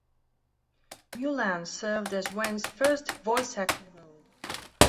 Mulan served as Wen's first voice-acting role.